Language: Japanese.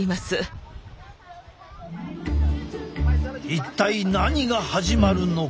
一体何が始まるのか？